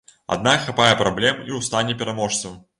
Аднак хапае праблем і ў стане пераможцаў.